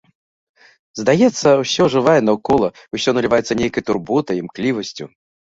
Здаецца, усё ажывае наўкола, усё наліваецца нейкай турботай, імклівасцю.